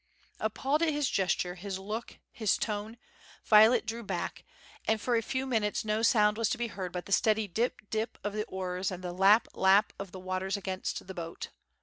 Appalled at his gesture, his look, his tone, Violet drew back, and for a few minutes no sound was to be heard but the steady dip dip of the oars and the lap lap of the waters against the boat.